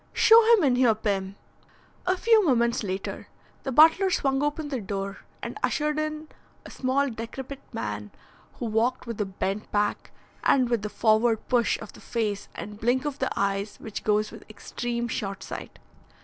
Show him in here, Pim." A few moments later the butler swung open the door and ushered in a small and decrepit man, who walked with a bent back and with the forward push of the face and blink of the eyes which goes with extreme short sight.